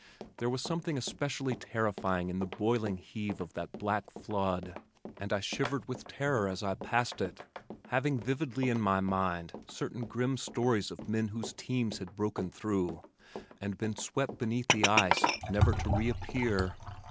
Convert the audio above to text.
There was something especially terrifying in the boiling heave of that black flood, and I shivered with terror as I passed it, having vividly in my mind certain grim stories of men whose teams had broken through and been swept beneath the ice never to reappear.